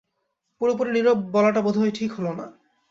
পুরোপুরি নীরব বলাটা বোধহয় ঠিক হল না।